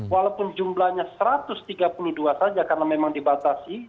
walaupun jumlahnya satu ratus tiga puluh dua saja karena memang dibatasi